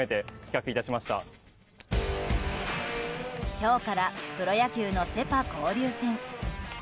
今日からプロ野球のセ・パ交流戦。